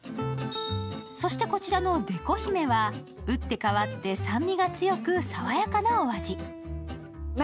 そしてこちらのデコ媛は打って変わって酸味が強く爽やかなお味。